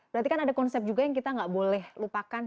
berarti kan ada konsep juga yang kita nggak boleh lupakan